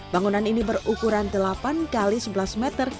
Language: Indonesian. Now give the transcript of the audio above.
bangunan ini berukuran delapan x sebelas meter